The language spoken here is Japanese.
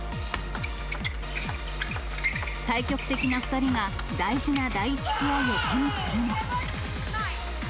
対極的な２人が、大事な第１試合を手にするも。